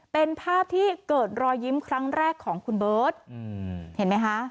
เป็นภาพที่เกิดรอยยิ้มครั้งแรกของคุณเบิร์ตเห็นไหมคะ